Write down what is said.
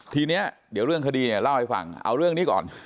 ทีนี้เดี๋ยวเรื่องคดีเนี่ยเล่าให้ฟังเอาเรื่องนี้ก่อน